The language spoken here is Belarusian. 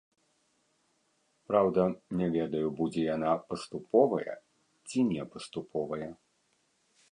Праўда, не ведаю, будзе яна паступовая ці не паступовая.